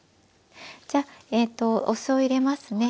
じゃあえっとお酢を入れますね。